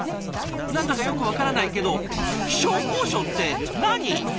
なんだかよくわからないけど気象考証って何？」。